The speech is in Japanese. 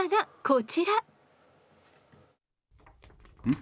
ん？